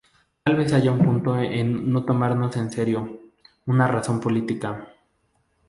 Tal vez haya un punto en no tomarlos en serio, una razón política.